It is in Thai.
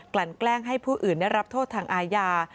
ลั่นแกล้งให้ผู้อื่นได้รับโทษทางอาญา